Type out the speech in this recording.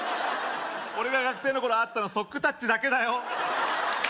俺が学生の頃あったのソックタッチだけだよ